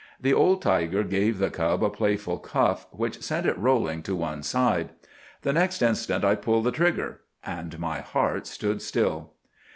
The old tiger gave the cub a playful cuff, which sent it rolling to one side. The next instant I pulled the trigger—and my heart stood still.